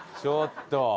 ちょっと。